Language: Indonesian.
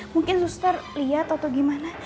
mungkin suster lihat atau gimana